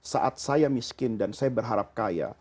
saat saya miskin dan saya berharap kaya